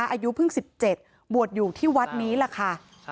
อายุเพิ่ง๑๗บวชอยู่ที่วัดนี้แหละค่ะ